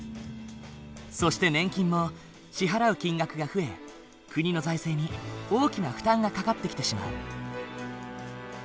そして年金も支払う金額が増え国の財政に大きな負担がかかってきてしまう。